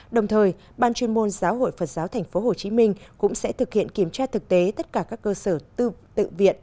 đồng thời ban chuyên môn giáo hội phật giáo tp hcm cũng sẽ thực hiện kiểm tra thực tế tất cả các cơ sở tự viện